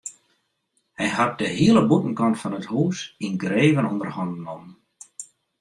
Hy hat de hiele bûtenkant fan it hûs yngreven ûnder hannen nommen.